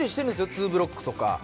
ツーブロックとか。